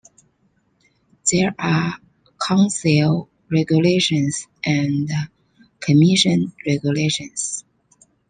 There are Council regulations and Commission regulations.